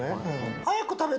早く食べて。